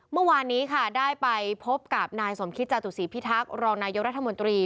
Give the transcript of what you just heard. เมื่อวานนี้ค่ะได้ไปพบกับนายสมคิตจาตุศีพิทักษ์รองนายกรัฐมนตรี